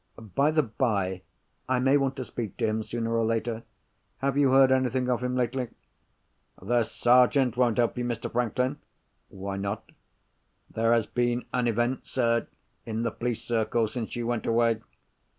By the bye, I may want to speak to him, sooner or later. Have you heard anything of him lately?" "The Sergeant won't help you, Mr. Franklin." "Why not?" "There has been an event, sir, in the police circles, since you went away.